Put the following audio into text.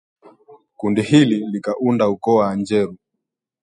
Kundi hili likaunda ukoo wa Anjeru